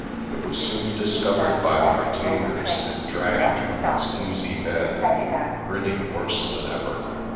It was soon discovered by the retainers, and dragged from its oozy bed, grinning worse than ever.